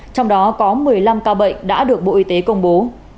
trong đó có một mươi năm ca bệnh đã được bộ y tế công bố